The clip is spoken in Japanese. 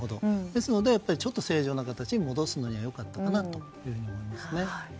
ですのでちょっと正常な形に戻すには良かったかなと思いますね。